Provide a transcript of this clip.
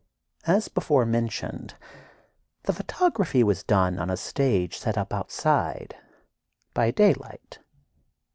As before mentioned, the photography was done on a stage set up outside, by daylight.